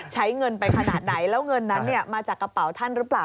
ใช้เงินไปขนาดไหนแล้วเงินนั้นมาจากกระเป๋าท่านหรือเปล่า